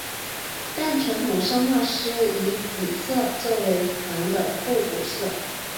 但传统上画师以紫色作为黄的互补色。